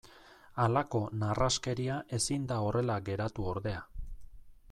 Halako narraskeria ezin da horrela geratu ordea.